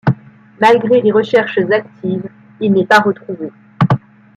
Malgré des recherches actives, il n'est pas retrouvé.